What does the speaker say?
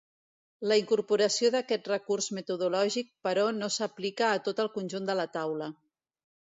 La incorporació d'aquest recurs metodològic, però, no s'aplica a tot el conjunt de la taula.